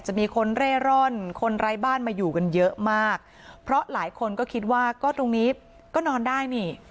มีคนเร่ร่อนคนไร้บ้านมาอยู่กันเยอะมากเพราะหลายคนก็คิดว่าก็ตรงนี้ก็นอนได้นี่